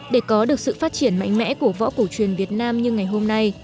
để có được sự phát triển mạnh mẽ của võ cổ truyền việt nam như ngày hôm nay